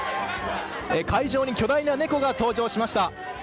会場に巨大な猫が登場しました。